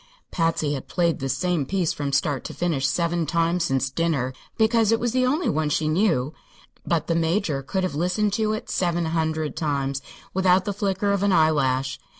Patsy had played this same piece from start to finish seven times since dinner, because it was the only one she knew; but the Major could have listened to it seven hundred times without the flicker of an eyelash.